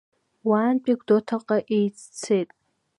Уаантәи Гәдоуҭаҟа еиццеит.